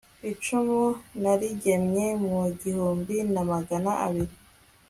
icumu narigemye mu gihumbi na magana abiri